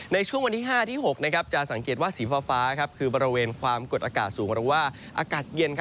ในช่วงวันที่๕ที่๖จะสังเกตว่าสีฟ้าคือบริเวณความกดอากาศสูงหรือว่าอากาศเย็น